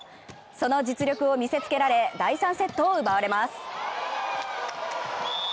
その実力を見せつけられ第３セットを奪われます。